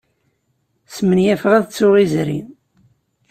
Smenyafeɣ ad ttuɣ izri.